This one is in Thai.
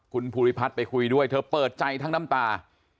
คุณภูริพัฒน์ไปคุยด้วยเธอเปิดใจทั้งน้ำตา